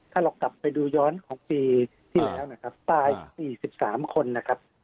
ถ้าเรากลับไปดูย้อนของปีที่แล้วนะครับ